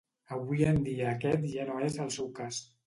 Avui en dia aquest ja no és el cas.